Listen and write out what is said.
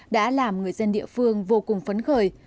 đã làm người dân địa phương vô cùng phấn khởi